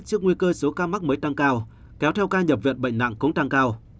trước nguy cơ số ca mắc mới tăng cao kéo theo ca nhập viện bệnh nặng cũng tăng cao